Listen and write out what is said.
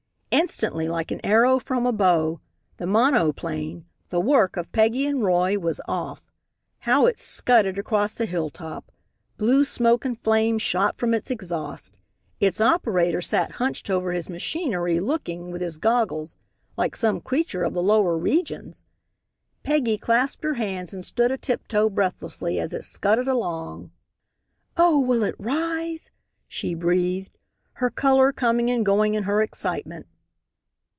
Instantly, like an arrow from a bow, the monoplane the work of Peggy and Roy was off. How it scudded across the hill top! Blue smoke and flame shot from its exhaust. Its operator sat hunched over his machinery looking, with his goggles, like some creature of the lower regions. Peggy clasped her hands and stood a tiptoe breathlessly as it scudded along. "Oh, will it rise?" she breathed, her color coming and going in her excitement.